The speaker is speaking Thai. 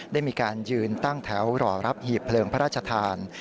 ได้มีการยืนตั้งแถวรอรับหีบเลิงพระราชทาน